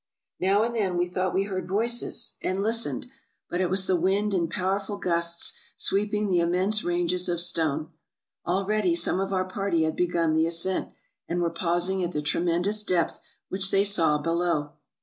Now and then we thought we heard voices, and listened ; but it was the wind in power ful gusts sweeping the immense ranges of stone. Already some of our party had begun the ascent, and were pausing at the tremendous depth which they saw below.